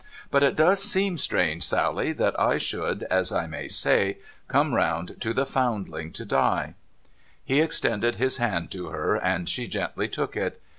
But it does seem strange, Sally, that I should, as I may say, come round to the Foundling to die,' , He extended his hand to her, and she gently took it.